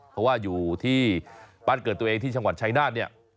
เพราะว่าอยู่ที่บ้านเกิดตัวเองที่ชะวันชายนาธิ์